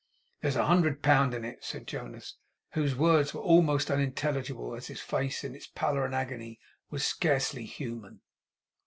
'There's a hundred pound in it,' said Jonas, whose words were almost unintelligible; as his face, in its pallor and agony, was scarcely human.